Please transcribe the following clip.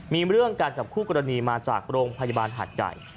มีเรื่องกันกับคู่กรณีมาจากโรงพยาบาลหาดใหญ่